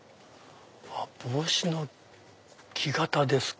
帽子の木型ですか。